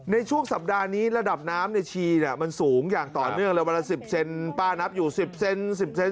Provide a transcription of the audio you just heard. ในช่วงสัปดาห์นี้ระดับน้ำในชีเนี่ยมันสูงอย่างต่อเนื่องเลยวันละ๑๐เซนป้านับอยู่๑๐เซน๑๐เซน